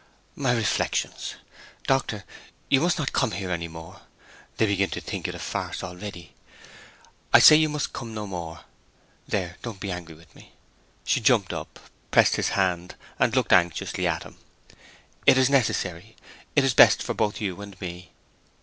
"My reflections. Doctor, you must not come here any more. They begin to think it a farce already. I say you must come no more. There—don't be angry with me;" and she jumped up, pressed his hand, and looked anxiously at him. "It is necessary. It is best for both you and me."